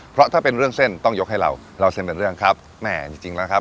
เพราะถ้าเป็นเรื่องเส้นต้องยกให้เราเล่าเส้นเป็นเรื่องครับแม่จริงจริงแล้วครับ